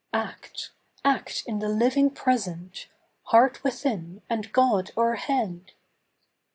Act, — act in the living Present ! Heart within, and God o'erhead